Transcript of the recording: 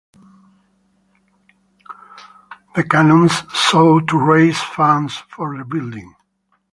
The canons sought to raise funds for rebuilding.